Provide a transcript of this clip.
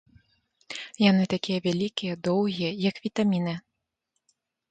Яны такія вялікія, доўгія, як вітаміны.